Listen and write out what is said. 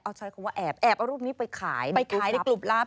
เอาใช้คำว่าแอบแอบเอารูปนี้ไปขายไปขายในกลุ่มลับ